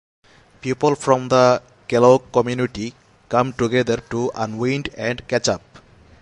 People from the Kellogg community come together to unwind and catch up.